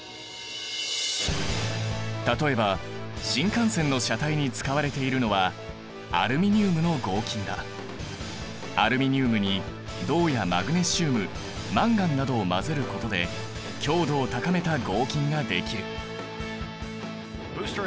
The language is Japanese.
例えば新幹線の車体に使われているのはアルミニウムに銅やマグネシウムマンガンなどを混ぜることで強度を高めた合金ができる。